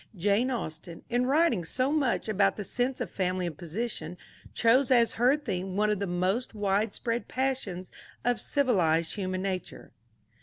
Jane Austen, in writing so much about the sense of family and position, chose as her theme one of the most widespread passions of civilized human nature.